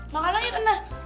makan lagi tante